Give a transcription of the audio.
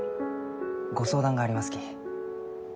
ご相談がありますき。